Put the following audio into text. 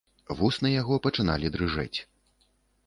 Вусны яго пачыналі дрыжэць.